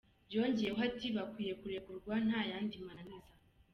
Yongeyeho ati: "Bakwiye kurekurwa nta yandi mananiza".